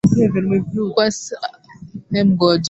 kwa sababu hata rais wa shirikisho hilo